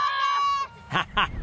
ハハハ！